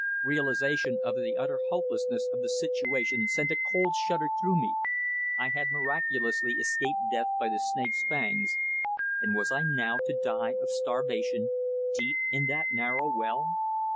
Realisation of the utter hopelessness of the situation sent a cold shudder through me. I had miraculously escaped death by the snake's fangs, and was I now to die of starvation deep in that narrow well?